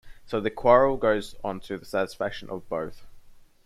So the quarrel goes on to the satisfaction of both.